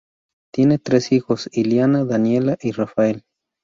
Tienen tres hijos, Ilana, Daniela y Rafael.